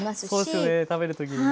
そうですよね食べる時にね。